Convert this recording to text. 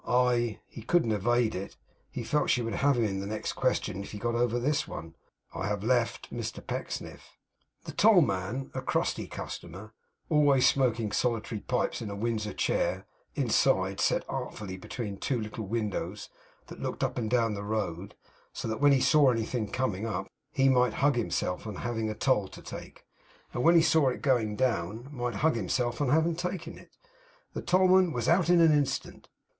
'I ' he couldn't evade it; he felt she would have him in the next question, if he got over this one. 'I have left Mr Pecksniff.' The tollman a crusty customer, always smoking solitary pipes in a Windsor chair, inside, set artfully between two little windows that looked up and down the road, so that when he saw anything coming up he might hug himself on having toll to take, and when he saw it going down, might hug himself on having taken it the tollman was out in an instant.